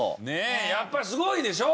やっぱすごいでしょ？